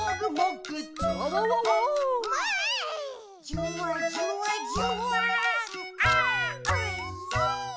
「じゅわじゅわじゅわーんあーおいしい！」